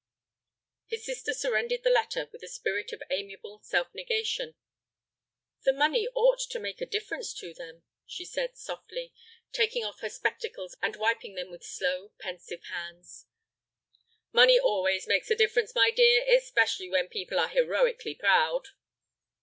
His sister surrendered the letter with a spirit of amiable self negation. "The money ought to make a difference to them," she said, softly, taking off her spectacles and wiping them with slow, pensive hands. "Money always makes a difference, my dear, especially when people are heroically proud."